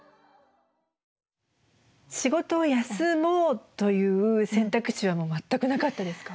仕事を休もうという選択肢はもう全くなかったですか？